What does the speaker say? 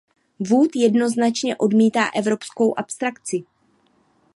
Wood jednoznačně odmítá evropskou abstrakci.